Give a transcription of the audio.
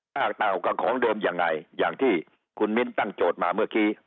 หน้าเต่ากับของเดิมยังไงอย่างที่คุณมิ้นตั้งโจทย์มาเมื่อกี้